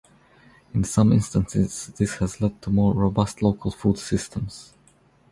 In some instances, this has led to more robust local food systems.